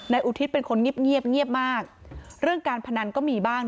อุทิศเป็นคนเงียบเงียบมากเรื่องการพนันก็มีบ้าง